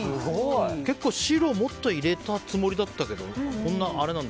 結構、白もっと入れたつもりだったけどこんななんだ。